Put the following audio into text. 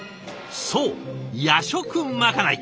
そう夜食まかない！